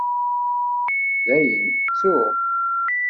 Dayen ttuɣ.